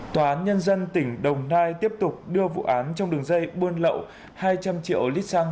tòa án nhân dân tỉnh đồng nai tiếp tục đưa vụ án trong đường dây buôn lậu hai trăm linh triệu lít xăng